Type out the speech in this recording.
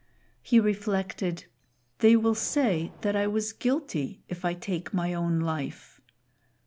He reflected "They will say that I was guilty if I take my own life.